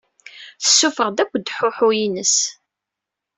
Tessufeɣ-d akk ddḥuḥ-ines!